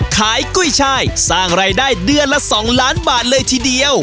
กุ้ยช่ายสร้างรายได้เดือนละ๒ล้านบาทเลยทีเดียว